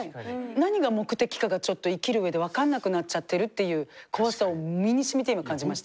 何が目的かがちょっと生きる上で分かんなくなっちゃってるっていう怖さを身にしみて今感じました。